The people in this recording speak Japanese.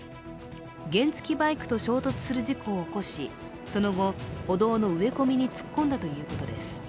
原付バイクと衝突する事故を起こしその後、歩道の植え込みに突っ込んだということです。